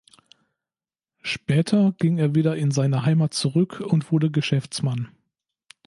Später ging er wieder in seine Heimat zurück und wurde Geschäftsmann.